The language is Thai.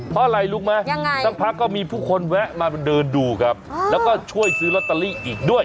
เพราะอะไรรู้ไหมยังไงสักพักก็มีผู้คนแวะมาเดินดูครับแล้วก็ช่วยซื้อลอตเตอรี่อีกด้วย